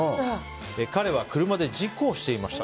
彼は車で事故をしていました。